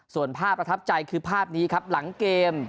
ส่วนภาพประทับใจคือภาพนี้ครับหลังเกม